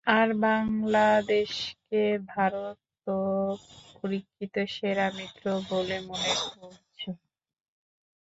আর বাংলাদেশকে ভারত তো পরীক্ষিত সেরা মিত্র বলে মনে করছে।